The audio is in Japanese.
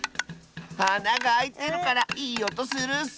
あながあいてるからいいおとするッス！